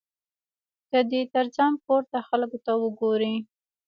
که دی تر ځان پورته خلکو ته وګوري.